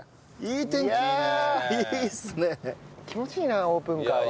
気持ちいいなオープンカーは。